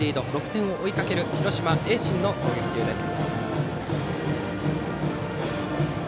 ６点を追いかける広島・盈進の攻撃中です。